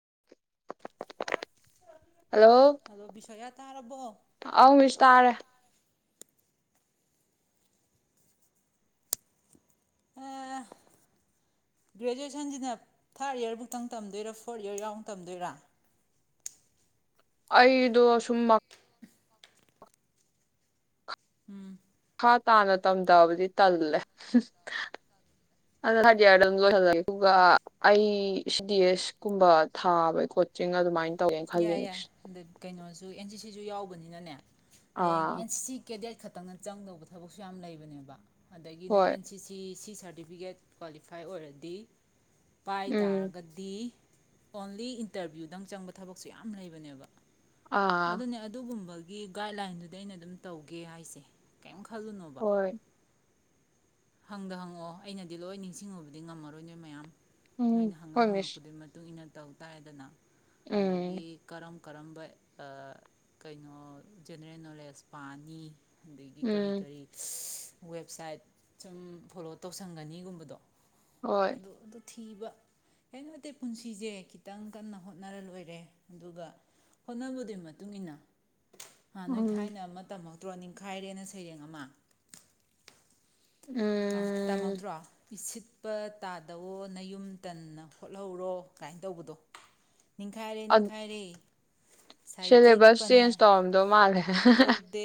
[unintelligible] Hello ꯕꯤꯁꯣꯌꯥ ꯇꯥꯔꯕꯣ ꯑꯧ ꯃꯤꯁ ꯇꯥꯔꯦ ꯒ꯭ꯔꯦꯖꯨꯋꯦꯁꯟꯁꯤꯅ ꯊꯥꯔꯠ ꯏꯌꯥꯔꯐꯧꯇꯪ ꯇꯝꯗꯣꯏꯔꯥ ꯐꯣꯔꯠ ꯏꯌꯔ ꯌꯥꯎ ꯇꯝꯗꯣꯏꯔꯥ ꯑꯩꯗꯣ ꯁꯨꯝ ꯎꯝ ꯃꯈꯥ ꯇꯥꯅ ꯇꯝꯊꯕꯗꯤ ꯇꯜꯂꯦ ꯑꯗꯨꯗ [unintelligible] ꯑꯗꯨꯝ ꯂꯣꯏꯍꯜꯂꯒꯦ ꯑꯗꯨꯒ ꯑꯩ ꯁꯤ ꯗꯤ ꯑꯦꯁ ꯀꯨꯝꯕ ꯊꯥꯕ ꯀꯣꯆꯤꯡ ꯑꯗꯨꯃꯥꯏꯅ ꯇꯧꯒꯦꯅ ꯈꯜꯂꯤ ꯌꯥꯏ ꯃꯤꯁ ꯌꯥꯏ ꯀꯩꯅꯣꯁꯨ ꯁ ꯑꯦꯟ ꯁꯤ ꯁꯤꯁꯨ ꯌꯥꯎꯕꯅꯤꯅꯅꯦ ꯍꯌꯦꯡ ꯑꯥ ꯑꯦꯟ ꯁꯤ ꯀꯦꯗꯦꯠ ꯈꯛꯇꯪꯅ ꯆꯪꯗꯧꯕ ꯊꯕꯛꯁꯨ ꯌꯥꯝ ꯂꯩꯕꯅꯦꯕ ꯑꯗꯒꯤ ꯅꯣꯏ ꯍꯣꯏ N C C certificate qualify ꯑꯣꯏꯔꯗꯤ ꯄꯥꯏ ꯎꯝ ꯇꯥꯔꯒꯗꯤ ꯑꯣꯡꯂꯤ ꯏꯟꯇꯔꯚ꯭ꯌꯨꯗꯪ ꯆꯪꯕ ꯊꯕꯛꯁꯨ ꯌꯥꯝ ꯂꯩꯕꯅꯦꯕ ꯑꯥ ꯑꯗꯨꯅꯦ ꯑꯗꯨꯒꯨꯝꯕ ꯒꯤ ꯒꯥꯏꯗꯂꯥꯏꯟꯗꯨꯗ ꯑꯩꯅ ꯑꯗꯨꯝ ꯇꯧꯒꯦ ꯍꯥꯏꯁꯦ ꯀꯩꯝ ꯈꯜꯂꯨꯅꯣꯕꯥ ꯍꯣꯏ ꯍꯪꯗ ꯍꯪꯉꯛꯑꯣ ꯑꯩꯅꯗꯤ ꯂꯣꯏ ꯅꯤꯡꯁꯤꯡꯉꯨꯕꯗꯤ ꯉꯝꯃꯔꯣꯏ ꯅꯣꯏ ꯃꯌꯥꯝ ꯎꯝ ꯅꯣꯏꯅ ꯍꯣꯏ ꯍꯪꯉꯛ ꯃꯤꯁ ꯍꯪꯉꯛꯄꯗꯨꯒꯤ ꯃꯇꯨꯡ ꯏꯟꯅ ꯇꯧ ꯇꯥꯔꯦꯗꯅ ꯎꯝ ꯑꯗꯒꯤ ꯀꯔꯝ ꯀꯔꯝꯕ ꯀꯩꯅꯣ ꯖꯦꯅꯔꯦꯜ ꯅꯣꯂꯦꯖ ꯄꯥꯅꯤ ꯑꯗꯒꯤ ꯀꯔꯤ ꯎꯝ ꯀꯔꯤ ꯋꯦꯕꯁꯥꯏꯠ ꯁꯨꯝ ꯐꯣꯂꯣ ꯇꯧꯁꯟꯒꯅꯤꯒꯨꯝꯕꯗꯣ ꯍꯣꯏ ꯑꯗ ꯑꯗꯨ ꯊꯤꯕ ꯍꯦꯟꯅ ꯅꯠꯇꯦ ꯄꯨꯟꯁꯤꯁꯦ ꯈꯤꯇꯪ ꯀꯟꯅ ꯍꯣꯠꯅꯔ ꯂꯣꯏꯔꯦ ꯑꯗꯨꯒ ꯍꯣꯠꯅꯕꯗꯨꯏ ꯃꯇꯨꯡ ꯏꯟꯅ ꯍꯥ ꯅꯣꯏ ꯎꯝ ꯊꯥꯏꯅ ꯑꯃ ꯇꯝꯃꯛ ꯆꯇ꯭ꯔꯣ ꯅꯤꯡꯈꯥꯏꯔꯦꯅ ꯁꯩꯔꯦꯡ ꯑꯃ ꯑ ꯎꯝ ꯇꯝꯃꯛꯇ꯭ꯔꯣꯁꯤꯠ ꯎꯠꯄ ꯇꯥꯗꯋꯣ ꯅꯌꯨꯝ ꯇꯟꯅ ꯍꯣꯠꯍꯧꯔꯣ ꯀꯥꯏꯅ ꯇꯧꯕꯗꯣ ꯅꯤꯡꯈꯥꯏꯔꯦ ꯅꯤꯡꯈꯥꯏꯔꯦ ꯁꯤꯦꯂꯦꯕꯁ ꯆꯦꯟꯖ ꯇꯧꯔꯝꯗꯣ ꯃꯥꯂꯦ ꯇꯧꯗꯦ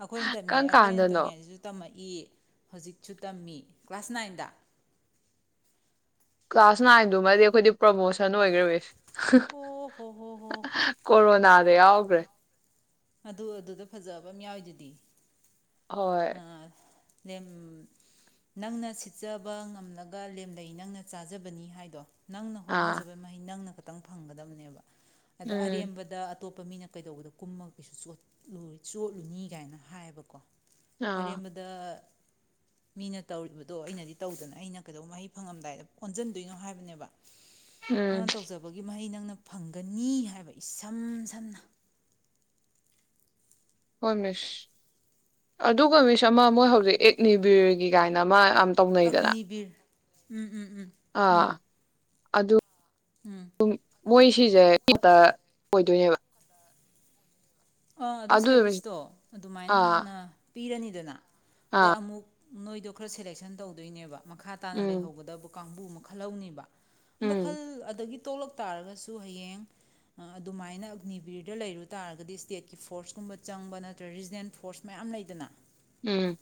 ꯑꯩꯈꯣꯏꯅ ꯇꯝꯃꯤꯉꯥꯏ ꯀꯔꯝ ꯑꯩꯈꯣꯏꯅ ꯀꯥꯟꯗꯅꯣ ꯇꯧꯃꯤꯉꯥꯏꯗꯨꯁꯨ ꯇꯝꯃꯛꯏ ꯏ ꯍꯧꯖꯤꯛꯁꯨ ꯇꯝꯃꯤ ꯀ꯭ꯂꯥꯁ ꯅꯥꯏꯟꯗ ꯀ꯭ꯂꯥꯁ ꯅꯥꯏꯟꯗꯨꯃꯗꯤ ꯑꯩꯈꯣꯏꯗꯤ ꯄ꯭ꯔꯣꯃꯣꯁꯟ ꯑꯣꯏꯈ꯭ꯔꯕ ꯑꯣ ꯍꯣ ꯍꯣ ꯍꯣ ꯀꯣꯔꯣꯅꯥ ꯌꯥꯎꯕ꯭ꯔꯦ ꯑꯗꯨ ꯑꯗꯨꯗ ꯐꯖꯕ ꯑꯃ ꯌꯥꯎꯋꯏꯗꯨꯗꯤ ꯍꯣꯏ ꯅꯪꯅ ꯁꯤꯠꯆꯕ ꯉꯝꯂꯒ ꯂꯦꯝꯂꯩ ꯅꯪꯅ ꯆꯥꯖꯕꯅꯤ ꯍꯥꯏꯗꯣ ꯅꯪꯅ ꯑꯥ ꯍꯣꯠꯅꯖꯕ ꯃꯍꯩ ꯅꯪꯅ ꯈꯤꯇꯪ ꯐꯪꯒꯗꯕꯅꯦꯕ ꯑꯗ ꯎꯝ ꯑꯔꯤꯕꯗ ꯑꯇꯣꯞꯄ ꯃꯤꯅ ꯀꯩꯗꯧꯕꯗ ꯀꯨꯝꯃꯒ ꯀꯩꯁꯨꯠꯂ ꯆꯣꯠꯂꯨꯅꯤ ꯀꯥꯏꯅ ꯍꯥꯏꯌꯦꯕꯀꯣ ꯑꯥ ꯑꯔꯦꯝꯕꯗ ꯃꯤꯅ ꯇꯧꯔꯤꯕꯗꯣ ꯑꯩꯅꯗꯤ ꯇꯧꯗꯅ ꯑꯩꯅ ꯀꯩꯗꯧꯕ ꯃꯍꯩ ꯐꯪꯉꯝꯗꯥꯏꯗ ꯑꯣꯟꯁꯤꯟꯗꯣꯏꯅꯣ ꯍꯥꯏꯕꯅꯦꯕ ꯑ ꯎꯝ ꯇꯧꯖꯕꯒꯤ ꯃꯍꯩꯅ ꯅꯪꯅ ꯐꯪꯒꯅꯤ ꯍꯥꯏꯕ ꯏꯁꯝ ꯁꯝꯅ ꯍꯣꯏ ꯃꯤꯁ ꯑꯗꯨꯒ ꯃꯤꯁ ꯑꯃ ꯃꯣꯏ ꯍꯧꯖꯤꯛ ꯑꯦꯛꯅꯤꯕꯤꯔꯒꯤ ꯀꯥꯏꯅ ꯑꯃ ꯌꯥꯝ ꯇꯧꯅꯩꯗꯅ ꯑꯒꯅꯤꯕꯤꯔ ꯎꯝ ꯎꯝ ꯎꯝ ꯑꯥ ꯎꯝ ꯑꯗꯨ ꯎꯝ ꯃꯣꯏ ꯁꯤꯖꯦ [unintelligible] ꯑꯣꯏꯗꯣꯏꯅꯦꯕ ꯑꯥ ꯑꯗꯨ ꯑꯗꯨꯗꯣ ꯃꯤꯁ ꯁꯥꯔꯚꯤꯁꯇꯣ ꯑꯗꯨꯃꯥꯏꯅ ꯑꯥ ꯍꯥꯟꯅ ꯄꯤꯔꯅꯤꯗꯅ ꯑꯗꯩ ꯑꯥ ꯑꯃꯨꯛ ꯅꯣꯏꯗꯣ ꯈꯔ ꯁꯦꯂꯦꯛꯁꯟ ꯇꯧꯗꯣꯏꯅꯦꯕ ꯃꯈꯥ ꯇꯥꯅ ꯎꯝ ꯂꯩꯍꯧꯒꯗꯕ ꯀꯥꯡꯕꯨ ꯃꯈꯜꯍꯅꯦꯕ ꯗ ꯎꯝ ꯈꯜ ꯑꯗꯒꯤ ꯇꯣꯛꯂꯛ ꯇꯥꯔꯒꯁꯨ ꯍꯌꯦꯡ ꯑꯗꯨꯃꯥꯏꯅ ꯑꯒꯅꯤꯕꯤꯔꯗ ꯂꯩꯔꯨ ꯇꯥꯔꯒꯗꯤ ꯁ꯭ꯇꯦꯠ ꯀꯤ ꯐꯣꯔꯁꯀꯨꯝꯕ ꯆꯪꯕ ꯅꯠꯇ꯭ꯔꯒ ꯔꯤꯖꯅꯦꯜ ꯐꯣꯔꯁ ꯃꯌꯥꯝ ꯂꯩꯗꯅ ꯎꯝ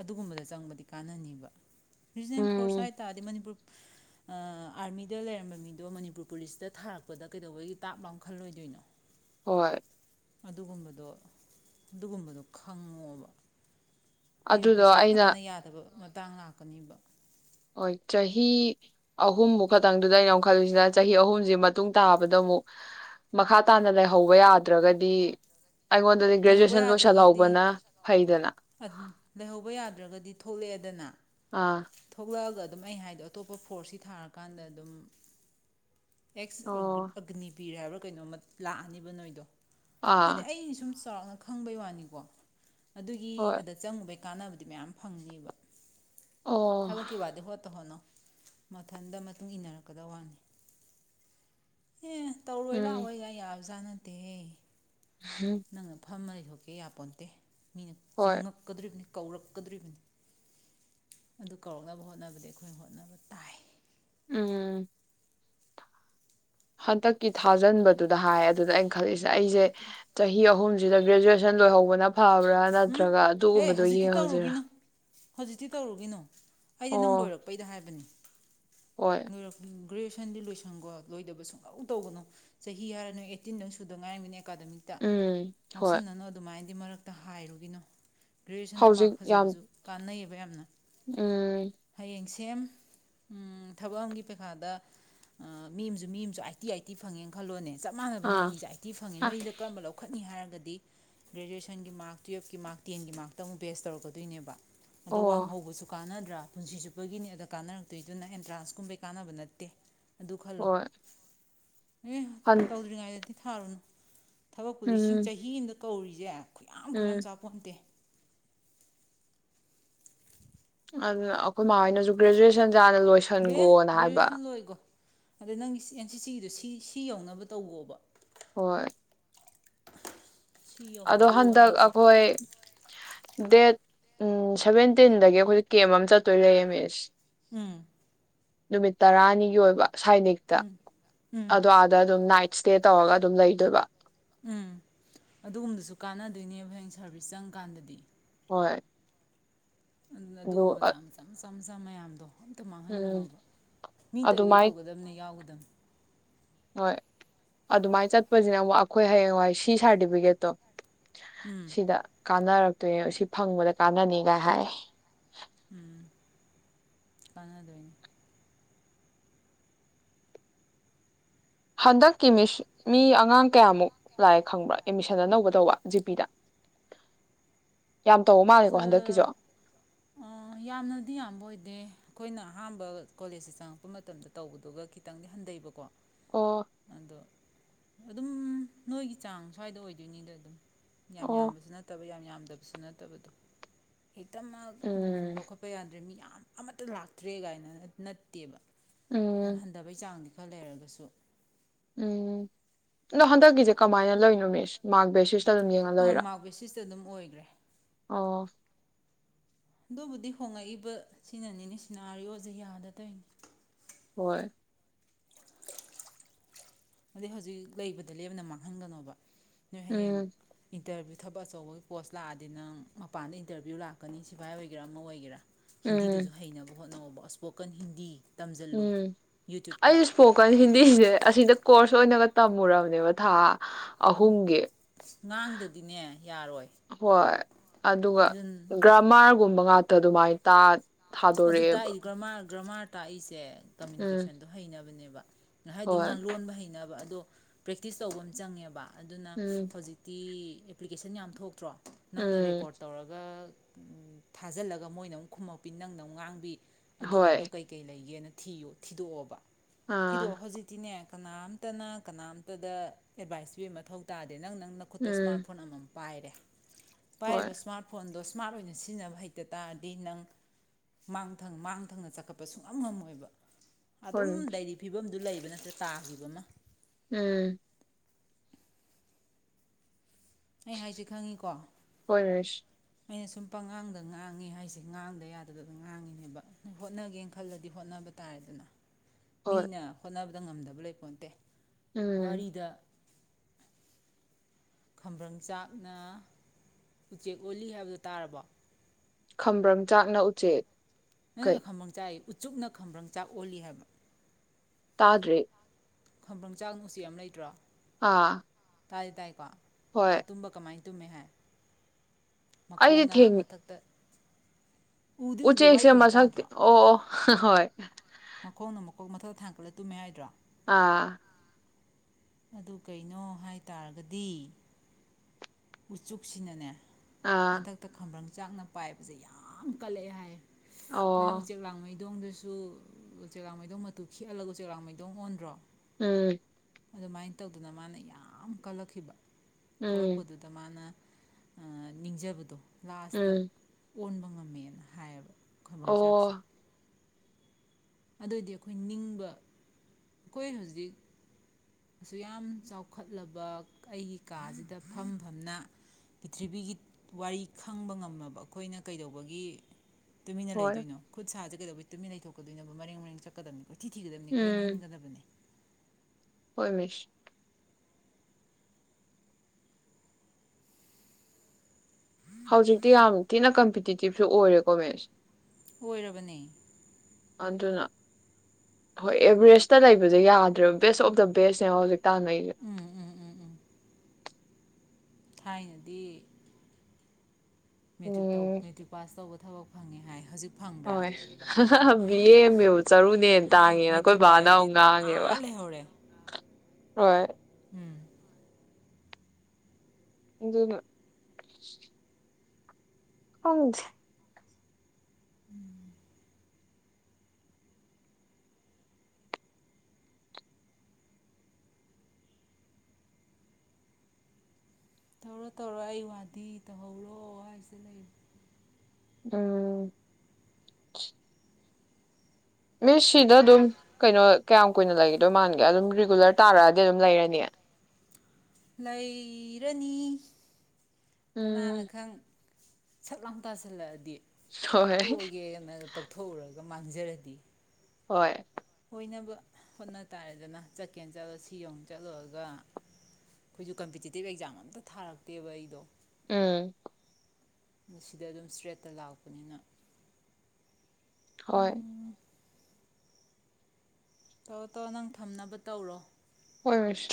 ꯑꯗꯨꯒꯨꯝꯕꯗ ꯆꯪꯕꯗꯤ ꯀꯥꯟꯅꯅꯤꯕ ꯔꯤꯖꯅꯦꯜ ꯐꯣꯔꯁ ꯎꯝ ꯍꯥꯏ ꯇꯥꯔꯗꯤ ꯃꯅꯤꯄꯨꯔ ꯑꯥ ꯑꯥꯔꯃꯤꯗ ꯂꯩꯔꯝꯕ ꯃꯤꯗꯣ ꯃꯅꯤꯄꯨꯔ ꯄꯨꯂꯤꯁꯇ ꯊꯥꯔꯛꯄꯗ ꯀꯩꯗꯧꯕꯩ ꯇꯥꯞ ꯂꯥꯎ ꯈꯜꯂꯣꯏꯗꯣꯏꯅꯣ ꯍꯣꯏ ꯑꯗꯨꯒꯨꯝꯕꯗꯣ ꯑꯗꯨꯒꯨꯝꯕꯗꯣ ꯈꯪꯉꯣꯕ ꯍꯌꯦꯡ ꯑꯗꯨꯗꯣ ꯄꯩꯁꯥ ꯑꯩꯅ ꯈꯛꯇꯅ ꯌꯥꯗꯕ ꯃꯇꯥꯡ ꯂꯥꯛꯀꯅꯤꯕ ꯍꯣꯏ ꯆꯍꯤ ꯑꯍꯨꯝꯃꯨꯛ ꯈꯛꯇꯪꯗꯨꯗ ꯑꯩꯅ ꯈꯜꯂꯤꯨꯁꯤꯅ ꯆꯍꯤ ꯑꯍꯨꯝꯖꯤ ꯃꯇꯨꯡ ꯇꯥꯕꯗ ꯑꯃꯨꯛ ꯃꯈꯥ ꯇꯥꯅ ꯂꯩꯍꯧꯕ ꯌꯥꯗ꯭ꯔꯒꯗꯤ ꯑꯩꯉꯣꯟꯗꯗꯤ ꯂꯩꯍꯧꯕ ꯒ꯭ꯔꯦꯖꯨꯑꯦꯁꯟ ꯌꯥꯗ꯭ꯔꯒꯗꯤ ꯂꯣꯏꯁꯤꯜꯍꯧꯕꯅ ꯐꯩꯗꯅ ꯂꯩꯍꯧꯕ ꯌꯥꯗ꯭ꯔꯒꯗꯤ ꯊꯣꯛꯂꯛꯑꯦꯗꯅ ꯑꯥ ꯊꯣꯛꯂꯛꯑꯒ ꯑꯗꯨꯝ ꯑꯩ ꯍꯥꯏꯗꯣ ꯑꯇꯣꯞꯄ ꯐꯣꯔꯁꯤ ꯊꯥꯔꯀꯥꯟꯗ ꯑꯗꯨꯝ ꯑꯦꯛꯁ ꯑꯒ ꯑꯣ ꯑꯒꯅꯤ ꯄꯤꯔ ꯍꯥꯏꯕ ꯀꯩꯅꯣꯃ ꯂꯥꯛꯑꯅꯤꯕ ꯅꯣꯏꯗꯣ ꯍꯥꯏꯗꯤ ꯑꯥ ꯑꯩꯗꯤꯁꯨꯨꯝ ꯆꯥꯎꯔꯥꯛꯅ ꯈꯪꯕꯩ ꯋꯥꯅꯤꯀꯣ ꯑꯗꯨꯒꯤ ꯍꯣꯏ ꯑꯗ ꯆꯪꯉꯨꯕꯩ ꯀꯥꯟꯅꯕꯗꯤ ꯃꯌꯥꯝ ꯐꯪꯒꯅꯤꯕ ꯑꯣ ꯊꯥꯕꯛꯀꯤ ꯋꯥꯗꯤ ꯍꫭꯠꯇ ꯍꫭꯠꯅꯧ ꯃꯊꯟꯇ ꯃꯇꯨꯡ ꯏꯟꯅꯔꯛꯀꯗ ꯋꯥꯅꯤ ꯑꯦ ꯇꯧꯔꯣꯏ ꯎꯝ ꯂꯥꯛꯑꯣꯏꯒ ꯌꯥꯕꯖꯥꯠ ꯅꯠ ꯇꯦꯍꯦ [unintelligible] ꯐꯝꯃ ꯂꯩꯊꯣꯛꯀꯦ ꯌꯥ ꯄꯣꯟꯇꯦ ꯃꯤꯅ ꯍꯣꯏ ꯆꯤꯡꯉꯛꯀꯗꯨꯔꯤꯕꯅꯦ ꯀꯧꯔꯛꯀꯗꯣꯔꯤꯕꯅꯦ ꯑꯗꯨ ꯀꯧꯔꯛꯅꯕ ꯍꯣꯠꯅꯕꯗ ꯑꯩꯈꯣꯏ ꯍꯣꯠꯅꯕ ꯇꯥꯏ ꯎꯝ ꯍꯟꯗꯛꯀꯤ ꯊꯥꯖꯤꯟꯕꯗꯨꯗ ꯍꯥꯏ ꯑꯗꯨꯗ ꯑꯩꯅ ꯈꯜꯂꯤꯁꯦ ꯑꯩꯁꯦ ꯆꯍꯤ ꯑꯍꯨꯝꯁꯤꯗ ꯒ꯭ꯔꯦꯖꯨꯑꯦꯁꯟ ꯂꯣꯏꯍꯧꯕꯅ ꯐꯕ꯭ꯔꯥ ꯎꯝ ꯅꯠꯇ꯭ꯔꯒ ꯍꯦ ꯑꯗꯨꯒꯨꯝꯕꯗꯣ ꯍꯧꯖꯤꯛꯇꯤ ꯌꯦꯡꯉꯥꯁꯤꯔꯥ ꯇꯧꯔꯨꯒꯤꯅꯨ ꯍꯧꯖꯤꯛꯇꯤ ꯇꯧꯔꯨꯒꯤꯅꯣ ꯑꯩꯗꯤ ꯅꯪ ꯑꯣ ꯂꯣꯏꯔꯛꯄꯩꯗ ꯍꯥꯏꯕꯅꯤ ꯍꯣꯏ [unintelligible] ꯒ꯭ꯔꯦꯖꯨꯋꯦꯁꯟꯗꯤ ꯂꯣꯏꯁꯟꯈꯣ ꯂꯣꯏꯗꯕ ꯁꯨꯡꯇꯩ ꯇꯧꯒꯅꯨ ꯆꯍꯤ ꯍꯥꯏꯒꯦ ꯅꯣꯏ ꯑꯩꯠꯇꯤꯟꯗꯥ ꯁꯨꯗ ꯉꯥꯏꯔꯝꯒꯤꯅꯤ ꯑꯦꯀꯥꯗꯃꯤꯛꯇ ꯎꯝ ꯍꯣꯏ ꯉꯥꯎꯁꯤꯟꯅꯅꯨ ꯑꯗꯨꯃꯥꯏ ꯃꯔꯛꯇ ꯍꯥꯏꯔꯨꯒꯤꯅꯣ ꯒ꯭ꯔꯦꯖꯨꯌꯦꯁꯟꯗ ꯃꯥꯔꯛ ꯍꯧꯖꯤꯛ ꯌꯥꯝ ꯐꯖꯕꯁꯨ ꯀꯥꯟꯅꯩꯌꯦꯕ ꯌꯥꯝꯅ ꯎꯝ ꯍꯌꯦꯡꯁꯤ ꯁꯦꯝ ꯊꯕꯛ ꯑꯃꯒꯤ ꯄꯩꯈꯥꯗ ꯃꯤ ꯑꯃꯁꯁꯨ ꯃꯤ ꯑꯃꯁꯁꯨ ꯑꯥꯏꯠꯇꯤ ꯑꯥꯏꯠꯇꯤ ꯐꯪꯉꯦꯅ ꯈꯜꯂꯣꯅꯦ ꯆꯞ ꯃꯥꯟꯅꯕ ꯅꯣꯏ ꯑꯥ ꯑꯕꯤꯁ ꯑꯥꯏꯠꯇꯤ ꯐꯪꯉꯦ ꯑꯥ, ꯅꯣꯏ ꯑꯅꯤꯗ ꯀꯔꯝꯕ ꯂꯧꯈꯠꯅꯤ ꯍꯥꯏꯔꯒ ꯗꯤ ꯒ꯭ꯔꯦꯖꯨꯑꯦꯁꯟꯒꯤ ꯃꯥꯔꯛ ꯇꯨꯌꯦꯜꯞꯀꯤ ꯃꯥꯔꯛ ꯇꯦꯟꯒꯤ ꯃꯥꯔꯛꯇ ꯑꯃꯨꯛ ꯕꯦꯁ ꯇꯧꯔꯜ ꯀꯗꯣꯏꯅꯦꯕ ꯑꯗꯣ ꯑꯣ ꯋꯥꯡꯍꯧꯕꯁꯨ ꯀꯥꯟꯅ ꯠꯇ꯭ꯔꯥ ꯄꯨꯟꯁꯤ ꯆꯨꯞꯄꯒꯤꯅꯤ ꯑꯗꯨ ꯀꯥꯟꯅꯔꯛꯇꯣꯏꯗꯨꯅ ꯑꯦꯟꯇ꯭ꯔꯥꯟꯁꯀꯨꯝꯕꯩ ꯀꯥꯟꯅꯕ ꯅꯠꯇꯦ ꯑꯗꯨ ꯈꯜꯂꯣ ꯍꯣꯏ ꯎꯝ ꯍꯟ, ꯇꯧꯗ꯭ꯔꯤꯉꯩꯗꯗꯤ ꯊꯥꯔꯣ ꯅ ꯊꯕꯛꯄꯨ ꯂꯤꯁꯤꯡ ꯎꯝ ꯆꯍꯤ ꯑꯃꯗ ꯀꯧꯔꯤꯁꯦ ꯈꯨꯌꯥꯝ ꯈꯨꯠ ꯌꯥꯝ ꯎꯝ ꯆ ꯆꯥꯎꯕꯝꯇꯦ [unintelligible] ꯑꯗꯨ ꯑꯩꯈꯣꯏ ꯃꯥꯍꯣꯏꯅꯁꯨ ꯒ꯭ꯔꯦꯖꯨꯋꯦꯁꯟ ꯗ ꯗꯦ ꯂꯣꯏꯁꯟꯈꯣꯅ ꯍꯥꯏꯕ ꯒ꯭ꯔꯦꯖꯨꯑꯦꯁꯟ ꯂꯣꯏꯈꯣ ꯑꯗ ꯅꯪ ꯑꯦꯟ ꯁꯤ ꯁꯤ ꯒꯤꯗꯣ ꯁꯤ ꯁꯤ ꯌꯧꯅꯕ ꯇꯧꯈꯣꯕ ꯍꯣꯏ ꯁꯤ ꯑꯗꯣ ꯌꯧꯍꯜꯂꯨ ꯍꯟꯗꯛ ꯍꯥꯏꯁꯦ ꯑꯩꯈꯣꯏ ꯗꯦꯠ ꯎꯝ ꯁꯚꯦꯟꯇꯤꯟꯗꯒꯤ ꯑꯩꯈꯣꯏ ꯀꯦꯝ ꯑꯃ ꯆꯠꯇꯣꯏ ꯂꯩꯌꯦ ꯃꯤ ꯎꯝ ꯅꯨꯃꯤꯠ ꯇꯔꯥꯅꯤꯒꯤ ꯑꯣꯏꯕ ꯁꯥꯏꯅꯤꯛꯇ ꯎꯝ ꯎꯝ ꯑꯗꯨ ꯑꯥꯗ ꯑꯗꯨꯝ ꯅꯥꯏꯠ ꯁꯇꯦ ꯇꯩꯔꯒ ꯑꯗꯨꯝ ꯂꯩꯗꯣꯏꯕ ꯎꯝ ꯑꯗꯨꯒꯨꯝꯕꯗꯨꯁꯨ ꯀꯥꯟꯅꯗꯣꯏꯅꯦꯕ ꯍꯌꯦꯡ ꯁꯥꯔꯚꯤꯁ ꯆꯪꯀꯥꯟꯗꯗꯤ ꯍꯣꯏ ꯎ ꯑꯗꯨ ꯑꯗꯨꯒꯨꯝꯕ ꯃꯆꯥ ꯃꯆꯥ ꯃꯆꯥ ꯁꯝꯁꯝ ꯃꯌꯥꯝꯗꯣ ꯑꯝꯇ ꯎꯝ ꯃꯥꯡꯍꯟꯒꯅꯣꯕ ꯃꯤ ꯇꯧꯏꯈꯩ ꯑꯗꯨꯃꯥꯏ ꯇꯧꯒꯗꯕꯅꯤ ꯌꯥꯎꯒꯗꯝꯕꯅꯤ꯫ ꯍꯣꯏ ꯑꯗꯨꯃꯥꯏꯅ ꯆꯠꯄꯁꯤꯅ ꯋꯥ ꯑꯩꯈꯣꯏ ꯍꯌꯦꯡꯋꯥꯏ ꯁꯤ ꯁꯥꯔꯇꯤꯐꯤꯀꯦꯠꯇꯣ ꯎꯝ ꯁꯤꯗ ꯀꯥꯟꯅꯔ ꯇꫭ ꯁꯤ ꯐꯪꯕꯗ ꯀꯥꯅꯅꯤꯒ ꯍꯥꯏ ꯎꯝ ꯀꯥꯅꯗꯣꯏꯅꯤ꯫ ꯍꯟꯗꯛꯀꯤ ꯃꯤ ꯁ ꯃꯤ ꯑꯉꯥꯡ ꯀꯌꯥꯃꯨꯛ ꯂꯥꯛꯑꯦ ꯈꯪꯕ꯭ꯔꯥ ꯑꯦꯠꯃꯤꯁꯟ ꯑꯅꯧꯕ ꯇꯧꯕ ꯖꯤꯄꯤꯗ꯫ ꯌꯥꯝ ꯇꯧꯕ ꯃꯥꯜꯂꯦꯀꯣ ꯍꯟꯗꯛꯀꯤꯁꯨ ꯑ ꯌꯥꯝꯅꯗꯤ ꯌꯥꯝꯕ ꯑꯣꯏꯗꯦ꯫ ꯑꯩꯈꯣꯏꯅ ꯑꯍꯥꯟꯕ ꯀꯣꯂꯦꯖꯇ ꯆꯪꯉꯛꯄ ꯃꯇꯝꯗ ꯇꯧꯕꯗꯨꯒ ꯈꯤꯇꯪꯗꯤ ꯍꯟꯗꯩꯕꯀꯣ꯫ ꯑꯣ ꯑꯗꯣ ꯑꯗꯨꯝ ꯅꯣꯏꯒꯤ ꯆꯥꯡ ꯁ꯭ꯋꯥꯏꯗ ꯑꯣꯏꯗꯣꯏꯅꯤꯗꯣ ꯑꯗꯨꯝ꯫ ꯌꯥꯝ ꯑꯣ ꯌꯥꯝꯕꯁꯨ ꯅꯠꯇꯕ ꯌꯥꯝ ꯌꯥꯝꯗꯕꯁꯨ ꯅꯠꯇꯕꯗꯣ ꯍꯦꯛꯇꯃꯛ ꯎꯝ ꯂꯧꯈꯠꯄ ꯌꯥꯗ꯭ꯔꯦ ꯃꯤ ꯌꯥꯝ ꯑꯃꯠꯇ ꯂꯥꯛꯇ꯭ꯔꯦ ꯀꯥꯏꯅ ꯅꯠꯇꯦꯕ ꯎꯝ ꯅꯨꯡꯍꯟꯊꯕꯩ ꯆꯥꯡꯅꯤ ꯈꯔ ꯂꯩꯔꯒꯁꯨ ꯎꯝ ꯑꯗꯣ ꯍꯟꯗꯛꯀꯤꯁꯦ ꯀꯃꯥꯏꯅ ꯂꯩꯔꯤꯅꯣ ꯃꯤꯁ ꯃꯥꯔꯛ ꯕꯦꯁꯤꯁ ꯑ ꯃꯥꯔꯛ ꯕꯦꯁꯤꯁꯇ ꯑꯗꯨꯝ ꯑꯣꯏꯈ꯭ꯔꯦ ꯑꯣ ꯑꯗꯨꯕꯨꯗꯤ ꯍꯣꯉꯛꯏꯕ ꯁꯤꯅꯅꯤꯅꯦ ꯁꯤꯅꯥꯔꯤꯑꯣꯁꯦ ꯌꯥꯗ ꯇꯣꯏꯅꯤ ꯍꯣꯏ ꯑꯗꯩ ꯍꯧꯖꯤꯛ ꯂꯩꯕꯗ ꯂꯦꯝꯅ ꯃꯥꯡꯍꯟꯒꯅꯣꯕ ꯅꯣꯏ ꯍꯌꯦꯡ ꯎꯝ ꯏꯟꯇꯔ ꯊꯕꯛ ꯑꯆꯧꯕꯒꯤ ꯄꯣꯁ ꯂꯥꯛꯑꯗꯤ ꯅꯪ ꯃꯄꯥꯟꯗ ꯏꯟꯇꯔꯚꯤꯌꯨ ꯂꯥꯛꯀꯅꯤ ꯁꯤꯐꯥꯏ ꯑꯣꯏꯒꯦꯔꯥ ꯑꯃ ꯑꯣꯏꯒꯦꯔꯥ ꯍꯤꯟꯗꯤꯗꯨꯁꯨ ꯎꯝ ꯍꯩꯅꯕ ꯍꯣꯠꯅꯧꯕ ꯁꯄꯣꯀꯟ ꯍꯤꯟꯗꯤ ꯇꯝꯁꯤꯜꯂꯨ ꯎꯝ ꯌꯨꯇ꯭ꯌꯨꯕꯇ ꯑꯩꯁꯨ ꯏꯁꯄꯣꯀꯟ ꯍꯤꯟꯗꯤꯁꯦ ꯑꯁꯤꯗ ꯀꯣꯔꯁ [unintelligible] ꯇꯝꯃꯨꯔꯕꯅꯦꯕ ꯊꯥ ꯑꯍꯨꯝꯒꯤ ꯉꯥꯡꯗꯗꯤꯅꯦ ꯌꯥꯔꯣꯏ ꯍꯣꯏ ꯑꯗꯨꯒ ꯑꯗꯨꯝ ꯒ꯭ꯔꯥꯃꯥꯔꯒꯨꯝꯕ ꯉꯥꯛꯇ ꯑꯗꯨꯃꯥꯏ ꯇꯥ ꯑꯗꯨ ꯊꯥꯗꯣꯔꯛꯑꯦꯕ ꯇꯥꯛꯏ ꯒ꯭ꯔꯃꯥꯔ ꯒ꯭ꯔꯃꯥꯔ ꯇꯥꯛꯏꯁꯦ ꯎꯝ ꯀꯃꯨꯅꯤꯀꯦꯁꯟꯗꯣ ꯍꯩꯅꯕꯅꯦꯕ [unintelligible] ꯍꯥꯏꯗꯤ ꯍꯣꯏ ꯉꯥ ꯂꯣꯟꯕ ꯍꯩꯅꯕ ꯑꯗꯣ ꯄ꯭ꯔꯦꯛꯇꯤꯁ ꯇꯧꯕ ꯑꯃ ꯆꯪꯉꯦꯕ ꯑꯗꯨꯅ ꯎꯝ ꯍꯧꯖꯤꯛꯇꯤ ꯑꯦꯄ꯭ꯂꯤꯀꯦꯁꯟ ꯌꯥꯝ ꯊꯣꯛꯇ꯭ꯔꯣ ꯅꯪꯅ ꯎꯝ ꯔꯦꯀꯣꯔꯠ ꯇꯧꯔꯒ ꯊꯥꯖꯤꯜꯂꯒ ꯃꯣꯏꯅ ꯑꯃꯨꯛ ꯈꯨꯝꯃꯛꯄꯤ ꯅꯪꯅ ꯑꯃꯨꯛ ꯉꯥꯡꯕꯤ ꯍꯣꯏ ꯑꯗꯨꯒꯨꯝꯕꯗꯣ ꯀꯩꯀꯩ ꯂꯩꯒꯦꯅ ꯊꯤꯌꯨ ꯊꯤꯗꯣꯛꯑꯣꯕ ꯊꯤꯗꯣ ꯑꯥ ꯍꯧꯖꯤꯛꯇꯤꯅꯦ ꯀꯅꯥꯝꯇꯅ ꯀꯅꯥꯝꯇꯗ ꯑꯦꯗꯚꯥꯏꯁ ꯄꯤꯕ ꯃꯊꯧ ꯇꯥ ꯅꯪ ꯅꯪ ꯈꯨꯠꯇꯣ ꯏꯁꯃꯥꯔꯠ ꯎꯝ ꯐꯣꯟ ꯑꯃꯃꯝ ꯄꯥꯏꯔꯦ ꯍꯣꯏ ꯄꯥꯏꯔꯤꯕ ꯏꯁꯃꯥꯔꯠ ꯐꯣꯟꯗꯣ ꯏꯁꯃꯥꯔꯠ ꯑꯣꯏꯅ ꯁꯤꯖꯤꯟꯅꯕ ꯍꯩꯇ ꯇꯥꯔꯗꯤ ꯅꯪ ꯃꯥꯡ ꯊ ꯃꯥꯡ ꯊꯪꯅ ꯆꯈꯠꯄ ꯁꯨꯡꯉꯝ ꯉꯝꯃꯣꯏꯕ ꯍꯣꯏ ꯑꯗꯨꯝ ꯃꯤꯁ ꯂꯩꯔꯤ ꯐꯤꯕꯝꯗꯨ ꯂꯩ ꯍꯥꯏꯕ ꯅꯠꯇꯦ ꯇꯥꯈꯤꯕ ꯑꯃ ꯎꯝ ꯑꯩ ꯍꯥꯏꯁꯦ ꯈꯪꯉꯤꯀꯣ ꯍꯣꯏ ꯃꯤꯁ ꯑꯩꯅ ꯁꯨꯝ ꯄꯉꯥꯡꯗ ꯉꯥꯡꯉꯤ ꯍꯥꯏꯁꯦ ꯉꯥꯡꯗ ꯌꯥꯗꯗꯗ ꯉꯥꯡꯉꯤꯅꯦꯕ ꯅ ꯍꯣꯠꯅꯒꯦꯅ ꯈꯜꯂꯗꯤ ꯍꯣꯠꯅꯕ ꯇꯥꯔꯦꯗꯅ ꯍꯣꯏ ꯃꯤꯅ ꯍ ꯣꯠꯅꯕ ꯉꯝꯗꯕ ꯂꯩꯄꯣꯟ ꯅꯠꯇꯦ ꯎꯝ ꯋꯥꯔꯤꯗ ꯈꯝꯕ꯭ꯔꯪ ꯆꯥꯛꯅ ꯎꯆꯦꯛ ꯑꯣꯜꯂꯤ ꯍꯥꯏꯕꯗꯨꯣ ꯇꯥꯔꯕꯣ ꯈꯝꯕ꯭ꯔꯪ ꯆꯥꯛꯅ ꯎꯆꯦꯛ ꯀꯩ ꯅꯪꯅ ꯈꯃꯪ ꯆꯥꯏ ꯆꯨꯞꯅ ꯈꯝꯕ꯭ꯔꯪ ꯆꯥꯛ ꯑꯣꯜꯂꯤ ꯍꯥꯏꯕ ꯇꯥꯗ꯭ꯔꯤ ꯈꯝꯕ꯭ꯔꯪ ꯆꯥꯛ ꯎꯆꯦꯛ ꯑꯃ ꯂꯩꯇ꯭ꯔꯣ ꯑꯥ ꯇꯥꯗꯤ ꯇꯥꯏꯀꯣ ꯍꯣꯏ ꯃꯥ ꯇꯨꯝꯕ ꯀꯃꯥꯏ ꯇꯨꯃꯦ ꯍꯥꯏ ꯑꯩꯗꯤ ꯃꯈꯣꯡꯅ ꯃꯊꯛꯇ ꯎꯗꯤ ꯎꯗꯦ ꯎꯆꯦꯛ ꯋꯥꯔꯤ ꯁꯦꯝꯕ ꯑꯣꯏꯅ ꯁꯛꯇꯤ ꯇꯥꯗ꯭ꯔꯣ ꯑꯣ ꯍꯣꯏ [unintelligible] ꯃꯈꯣꯡꯅ ꯃꯈꯣꯛ ꯃꯊꯛꯇ ꯊꯥꯡꯒꯠꯂ ꯇꯨꯝꯃꯦ ꯍꯥꯏꯗ꯭ꯔꯣ ꯑꯥ ꯑꯗꯨ ꯀꯩꯅꯣ ꯍꯥꯏ ꯇꯥꯔꯒꯗꯤ ꯎꯆꯨꯛ ꯁꯤꯅꯅꯦ ꯑꯥ ꯃꯊꯛꯇ ꯈꯥꯕ꯭ꯔꯪ ꯆꯥꯡꯅ ꯄꯥꯏꯕꯁꯦ ꯌꯥꯝ ꯀꯜꯂꯛꯑꯦ ꯍꯥꯏ ꯑꯩꯈꯣꯏꯅ ꯑꯣ ꯎꯆꯦꯛ ꯂꯥꯡꯃꯩꯗꯣꯡꯗꯁꯨ ꯁꯨ ꯆꯦꯔꯥꯛ ꯃꯩꯗꯣꯡ ꯃꯇꯨ ꯈꯤꯛꯍꯜꯂꯒ ꯆꯦꯔꯥꯛ ꯃꯩꯗꯧ ꯑꯣꯟꯗ꯭ꯔꯣ ꯎꯝ ꯑꯗꯨꯃꯥꯏꯅ ꯇꯧꯗꯅ ꯃꯥꯅ ꯌꯥꯝ ꯀꯜꯂꯛꯈꯤꯕ ꯎꯝ ꯀꯜꯂꯛꯄꯗꯨꯗ ꯃꯥꯅ ꯅꯤꯡꯖꯕꯗꯣ ꯂꯥꯁꯇꯥ ꯎꯝ ꯑꯣꯟꯕ ꯉꯝꯃꯦꯅ ꯍꯥꯏꯌꯦꯕ ꯈꯝꯕ꯭ꯔꯪ ꯆꯥꯛꯁꯦ ꯑꯣ ꯑꯗꯨꯑꯣꯏꯗꯤ ꯑꯩꯈꯣꯏ ꯅꯤꯡꯕ ꯑꯩꯈꯣꯏ ꯍꯧꯖꯤꯛ ꯑꯁꯨꯛ ꯌꯥꯝ ꯆꯥꯎꯈꯠꯂꯕ ꯑꯩꯒꯤ ꯀꯥꯁꯤꯗ ꯐꯝ ꯐꯝꯅ ꯄꯤꯊꯔꯤꯕꯤꯒꯤ ꯋꯥꯔꯤ ꯈꯪꯕ ꯉꯝꯃꯕ ꯑꯩꯈꯣꯏꯅ ꯀꯩꯗꯧꯕꯒꯤ ꯇꯨꯃꯤꯟꯅ ꯍꯣꯏ ꯂꯩꯗꯣꯏꯅꯣ ꯈꯨꯠ ꯁꯥꯖꯦ ꯀꯩꯗꯧꯕꯩ ꯇꯃꯤꯟꯅꯊꯣꯛꯀꯗꯣꯏꯅꯣꯕ ꯃꯔꯦꯡ ꯃꯔꯦꯡ ꯆꯠꯀꯗꯅꯤ ꯀꯣꯏꯊꯤ ꯊꯤꯒꯗꯕꯅꯤ ꯀꯣꯏ ꯍꯟ ꯎꯝ ꯍꯟꯒꯗꯕꯅꯤ ꯍꯣꯏ ꯃꯤꯁ ꯍꯧꯖꯤꯛꯇꯤ ꯌꯥꯝ ꯊꯤꯅ ꯀꯝꯄꯤꯇꯤꯇꯤꯞꯁꯨ ꯑꯣꯏꯔꯦꯀꯣ ꯃꯤꯁ ꯑꯣꯏꯔꯕꯅꯦ ꯑꯗꯨꯅ ꯍꯣꯏ ꯑꯦꯚꯔꯦꯁꯇ ꯂꯩꯕꯁꯦ ꯌꯥꯗ꯭ꯔꯦꯕ ꯕꯦꯁ ꯑꯣꯐ ꯗ ꯕꯦꯁꯅꯦ ꯍꯧꯖꯤꯛ ꯇꯥꯅꯩꯕ ꯎꯝ ꯎꯝ ꯎꯝ ꯎꯝ ꯊꯥꯏꯅꯗꯤ ꯃꯦꯇ꯭ꯔꯤꯛ ꯇ ꯎꯝ ꯃꯦꯇ꯭ꯔꯤꯛ ꯄꯥꯁ ꯇꯧꯕ ꯊꯕꯛ ꯐꯪꯉꯦ ꯍꯥꯏ ꯍꯧꯖꯤꯛ ꯐꯪꯕ꯭ꯔꯥ ꯍꯣꯏ ꯕꯤꯑꯦ ꯑꯦꯃꯦꯕꯨ ꯆꯔꯨꯅ ꯍꯦꯟꯅ ꯇꯥꯡꯉꯦꯅ ꯑꯩꯈꯣꯏ ꯃꯦꯇ꯭ꯔꯤꯛ ꯕꯥꯅ ꯀꯥꯏꯕꯗꯤ ꯑꯃꯨꯛ ꯉꯥꯡꯉꯦꯕ ꯑꯥ ꯂꯩꯍꯧꯔꯦ ꯍꯣꯏ ꯎꯝ ꯑꯗꯨꯒ [unintelligible] [inaudible] ꯇꯧꯔꯣ ꯇꯧꯔꯣ ꯑꯩ ꯋꯥꯗꯤ ꯇꯧꯍꯧꯔꯣ ꯍꯥꯏꯁꯦ ꯂꯩꯔ ꯎꯝ ꯃꯤꯁ ꯁꯤꯗ ꯑꯗꯨꯝ ꯀꯩꯅꯣ ꯀꯌꯥꯝ ꯀꯨꯏꯅ ꯂꯩꯒꯗꯣꯏ ꯃꯥꯟꯒꯦ ꯑꯗꯨꯝ ꯔꯤꯒꯨꯂꯔ ꯇꯥꯔꯛꯑꯗꯤ ꯑꯗꯨꯝ ꯂꯩꯔꯅꯤ ꯂꯩꯔꯅꯤ ꯀꯅꯥꯅ ꯎꯝ ꯈꯪ ꯁꯠꯂꯥꯎ ꯇꯥꯁꯜꯂꯛꯑꯗꯤ ꯍꯣꯏ ꯇꯣꯛꯑꯒꯦꯅ ꯇꯧꯊꯣꯛꯎꯔ ꯃꯥꯡꯖꯔꯗꯤ ꯍꯣꯏ ꯑꯣꯏꯅꯕ ꯍꯣꯠꯅ ꯇꯥꯔꯦꯗꯅ ꯆꯠꯀꯦꯅ ꯆꯠꯂ ꯁꯤ ꯌꯧ ꯆꯠꯂꯨꯔꯒ ꯑꯩꯈꯣꯏꯁꯨ ꯀꯝꯄꯤꯇꯤꯇꯤꯞ ꯑꯦꯛꯖꯥꯝ ꯑꯝꯇ ꯊꯥꯔꯛꯇꯦꯕ ꯑꯩꯗꯣ ꯎꯝ ꯁꯤꯗ ꯑꯗꯨꯝ ꯏꯁꯇ꯭ꯔꯦꯠꯇ ꯂꯥꯛꯄꯅꯤꯅ ꯍꯣꯏ ꯇꯧꯔꯣ ꯇꯧꯔꯣ ꯅꯪ ꯊꯝꯅꯕ ꯇꯧꯔꯣ ꯍꯣꯏ ꯃꯤꯁ